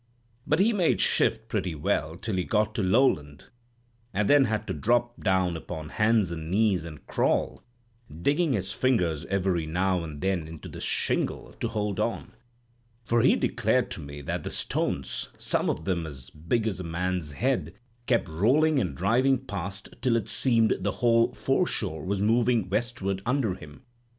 But he made shift pretty well till he got to Lowland, and then had to drop upon hands and knees and crawl, digging his fingers every now and then into the shingle to hold on, for he declared to me that the stones, some of them as big as a man's head, kept rolling and driving past till it seemed the whole foreshore was moving westward under him.